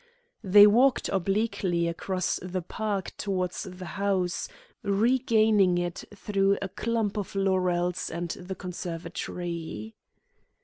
They walked obliquely across the park towards the house, regaining it through a clump of laurels and the conservatory.